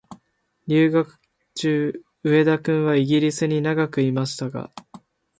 留学中、上田君はイギリスに長くいましたが、